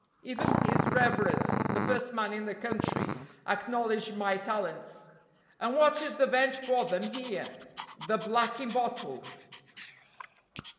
Even his reverence, the first man in the country, acknowledged my talents and what is the vent for them here? The blacking bottle."